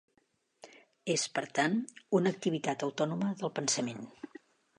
És per tant, una activitat autònoma del pensament.